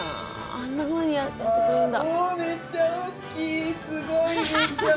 あんなふうにやってくれるんだ。